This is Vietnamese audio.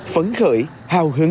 phấn khởi hào hứng